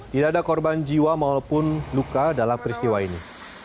tidak ada korban jiwa maupun luka dalam peristiwa ini